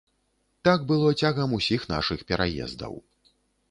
Так было цягам усіх нашых пераездаў.